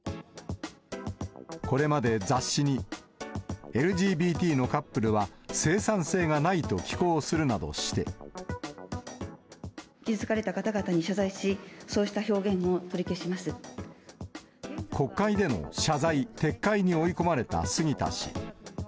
これまで雑誌に、ＬＧＢＴのカップルは、傷つかれた方々に謝罪し、国会での謝罪、撤回に追い込まれた杉田氏。